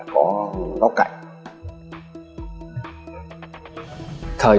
có góc cạnh